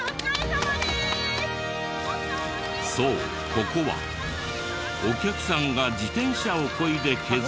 そうここはお客さんが自転車をこいで削る